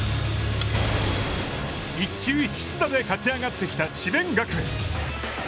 一球必打で勝ち上がってきた智弁学園。